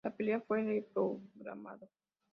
La pelea fue reprogramado.